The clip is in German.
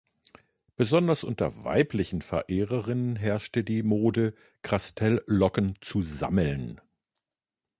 Besonders unter weiblichen Verehrerinnen herrschte die Mode, Krastel-Locken zu sammeln.